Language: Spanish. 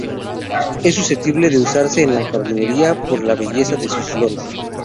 Es susceptible de usarse en jardinería por la belleza de sus flores.